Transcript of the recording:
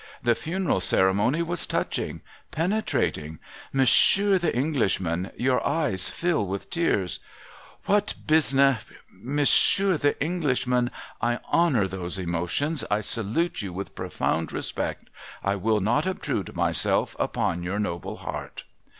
The funeral ceremony was touching, •— penetrating. Monsieur The Englishman, your eyes fill with tears.' ' What bu— si .'' Monsieur The Englishman, I honour those emotions. I salute you with profound respect. I will not obtrude myself upon your noble heart.'